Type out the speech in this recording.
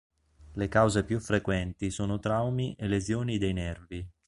Le cause più frequenti sono traumi e lesioni dei nervi.